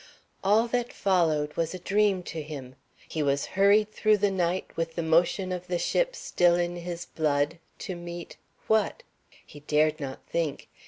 All that followed was a dream to him. He was hurried through the night, with the motion of the ship still in his blood, to meet what? He dared not think.